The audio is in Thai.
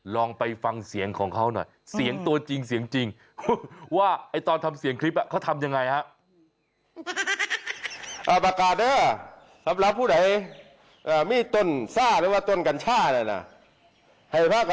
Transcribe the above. ลองไปฟังเสียงของเขาหน่อยเสียงตัวจริงเสียงจริงว่าตอนทำเสียงคลิปเขาทำยังไงฮะ